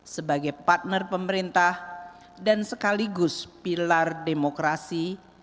sebagai partner pemerintah dan sekaligus pilar demokrasi